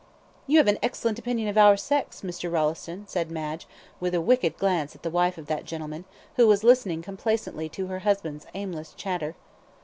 "You have an excellent opinion of our sex, Mr. Rolleston," said Madge, with a wicked glance at the wife of that gentleman, who was listening complacently to her husband's aimless chatter.